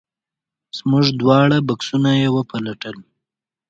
زموږ دواړه بکسونه یې وپلټل.